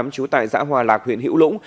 chú tại giã hòa lạc huyện hữu lũng